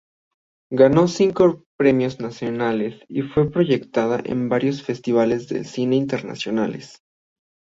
Ganó cinco premios nacionales y fue proyectada en varios festivales de cine internacionales.